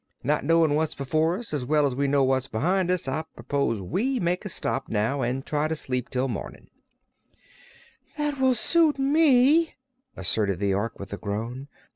Not knowin' what's before us so well as we know what's behind us, I propose we make a stop, now, an' try to sleep till mornin'." "That will suit me," asserted the Ork, with a groan.